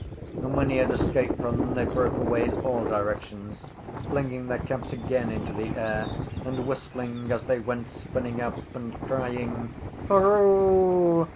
And when he had escaped from them they broke away in all directions, flinging their caps again into the air and whistling as they went spinning up and crying: —Hurroo!